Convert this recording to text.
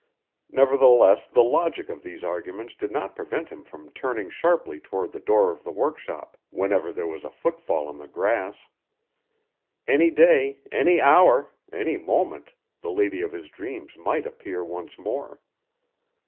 Nevertheless the logic of these arguments did not prevent him from turning sharply toward the door of the workshop whenever there was a footfall on the grass. Any day, any hour, any moment the lady of his dreams might appear once more.